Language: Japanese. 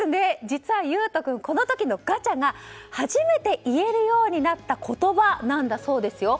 実は悠翔君、この時のガチャが初めて言えるようになった言葉なんだそうですよ。